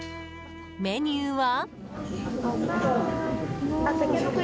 メニューは。